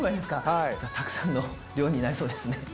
たくさんの量になりそうですね。